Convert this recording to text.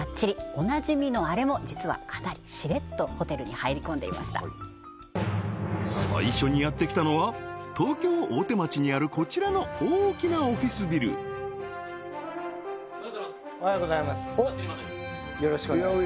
おなじみのアレも実はかなりしれっとホテルに入り込んでいました最初にやって来たのは東京・大手町にあるこちらの大きなオフィスビルおはようございます「がっちりマンデー！！」です